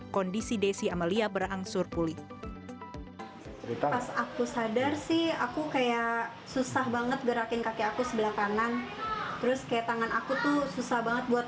kondisi desi amalia berangsur pulih